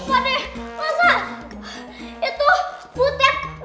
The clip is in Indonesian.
bucek bau bau kucing